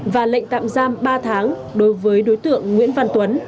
và lệnh tạm giam ba tháng đối với đối tượng nguyễn văn tuấn